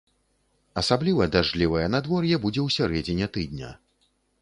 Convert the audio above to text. Асабліва дажджлівае надвор'е будзе ў сярэдзіне тыдня.